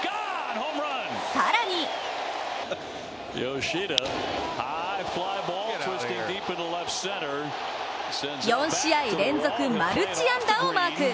更に４試合連続マルチ安打をマーク。